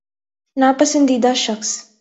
نا پسندیدہ شخص